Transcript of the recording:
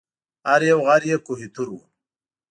هر یو غر یې کوه طور و